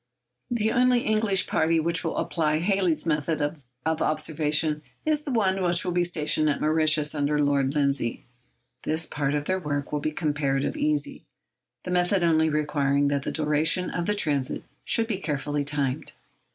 The only English party which will apply Halley's method of observation is the one which will be stationed at Mauritius, under Lord Lindsay. This part of their work will be comparatively easy, the method only requiring that the duration of the transit should be carefully timed.